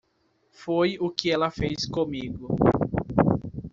Foi o que ela fez comigo.